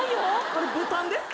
あれボタンですか？